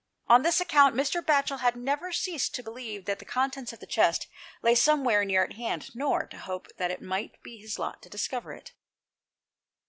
On this account, Mr. Batchel had never ceased to believe that the contents of the chest lay somewhere near at hand, nor to hope that it might be his lot to discover it.